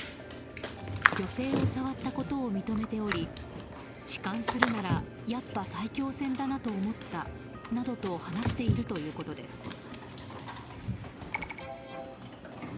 女性を触ったことを認めており痴漢するならやっぱ埼京線だなと思ったなどと話しているということです。